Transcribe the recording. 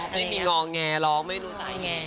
ไม่มีงองแงร้องไม่รู้สักอย่าง